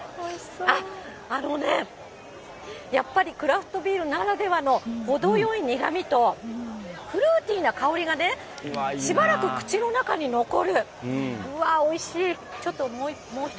あっ、あのね、やっぱりクラフトビールならではの程よい苦みと、フルーティーな香りがね、しばらく口の中に残る、うわー、おいしい。